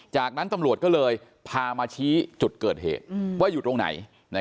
จากนั้นตำรวจก็เลยพามาชี้จุดเกิดเหตุว่าอยู่ตรงไหน